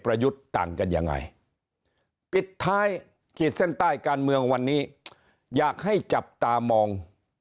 ต่างกันยังไงปิดท้ายขีดเส้นใต้การเมืองวันนี้อยากให้จับตามอง